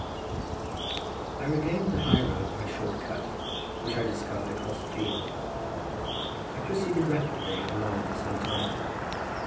I regained the high road by a short cut, which I discovered across a field. I proceeded rapidly along for some time.